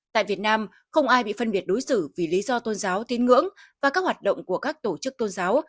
tại việt nam không ai bị phân biệt đối xử vì lý do tôn giáo tin ngưỡng và các hoạt động của các tổ chức tôn giáo